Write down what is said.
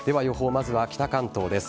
まずは北関東です。